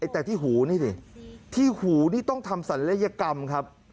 แต่ที่หูนี่สิที่หูนี่ต้องทำศัลยกรรมครับ